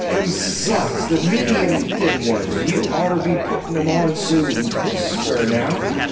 "Them socks the medium thin ones you'd oughter be puttin' 'em on soon, sir, now.